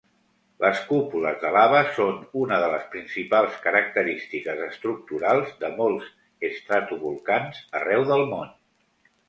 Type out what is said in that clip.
Les cúpules de lava són una de les principals característiques estructurals de molts estratovolcans arreu del món.